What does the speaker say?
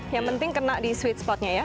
yang penting kena di sweet spot nya ya